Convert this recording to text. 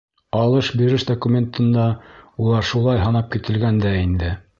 Алыш-биреш документында улар шулай һанап кителгән дә инде.